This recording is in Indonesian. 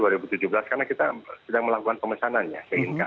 karena kita sedang melakukan pemesanan ya